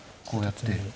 こうやって。